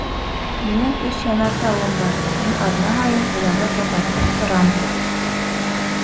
Минең өс янартауым бар, мин аҙна һайын уларҙы таҙартып торам.